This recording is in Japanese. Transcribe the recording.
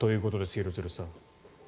廣津留さん。